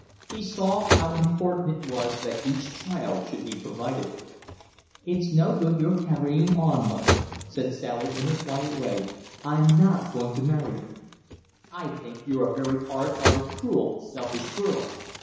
He saw how important it was that each child should be provided for. "It's no good your carrying on, mother," said Sally in her quiet way. "I'm not going to marry him." "I think you're a very hard hearted, cruel, selfish girl."